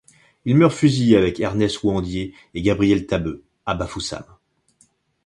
Il meurt fusillé avec Ernest Ouandié et Gabriel Tabeu à Bafoussam.